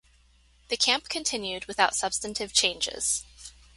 The camp continued without substantive changes.